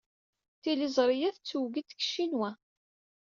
Tiliẓri-a tettweg-d deg Ccinwa.